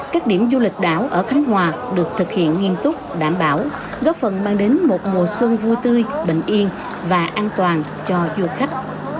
các điểm du lịch đảo ở khánh hòa được thực hiện nghiêm túc đảm bảo góp phần mang đến một mùa xuân vui tươi bình yên và an toàn cho du khách